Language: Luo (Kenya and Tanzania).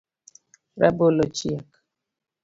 Rabolo ochiek